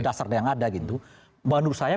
dasarnya yang ada menurut saya